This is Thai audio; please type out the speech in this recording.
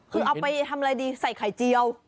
คือเอาไปทำอะไรดีใส่ไข่เจียว